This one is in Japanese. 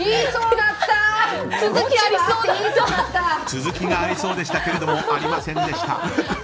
続きがありそうでしたけどありませんでした。